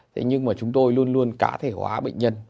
thế nhưng mà chúng tôi luôn luôn cá thể hóa bệnh nhân